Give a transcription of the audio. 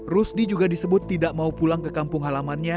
rusdi juga disebut tidak mau pulang ke kampung halamannya